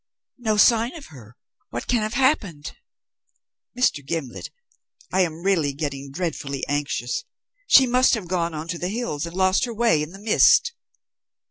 "No sign of her. What can have happened? Mr. Gimblet, I am really getting dreadfully anxious. She must have gone on to the hills and lost her way in the mist."